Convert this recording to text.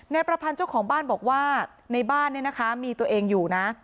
ประพันธ์เจ้าของบ้านบอกว่าในบ้านเนี่ยนะคะมีตัวเองอยู่นะ